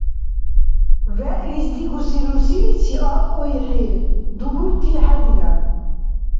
ВегӀлис дигуси рурсиличи аркьуйхӀир дубурти хӀедирар.